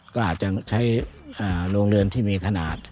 ก็อาจจะใช้โรงเรือนที่มีขนาด